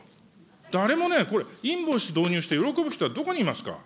誰もね、これ、インボイス導入して喜ぶ人がどこにいますか。